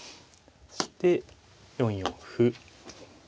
して４四歩。